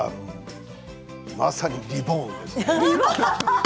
まさにリボーンですね。